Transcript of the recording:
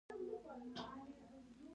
پښتانه مېلمه په سترگو کېنوي.